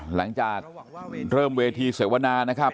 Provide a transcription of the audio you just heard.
หลังจากเริ่มเวทีเสวนานะครับ